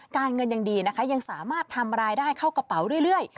การเงินยังดีนะคะยังสามารถทำรายได้เข้ากระเป๋าเรื่อย